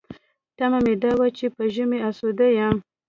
تمه مې دا وه چې په ژمي اسوده یم.